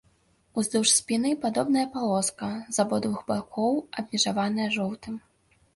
Уздоўж спіны падобная палоска, з абодвух бакоў абмежаваная жоўтым.